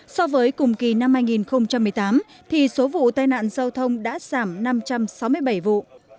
so với cùng kỳ năm hai nghìn một mươi tám thì số vụ tai nạn giao thông đã giảm năm trăm sáu mươi bảy vụ